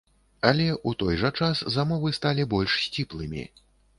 Але, у той жа час, замовы сталі больш сціплымі.